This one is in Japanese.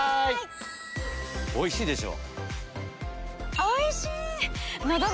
おいしいでしょ？